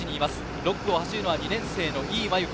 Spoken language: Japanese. ６区を走るのは２年生の伊井萌佑子。